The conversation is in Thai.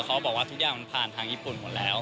เขาบอกว่าทุกอย่างมันผ่านทางญี่ปุ่นหมดแล้ว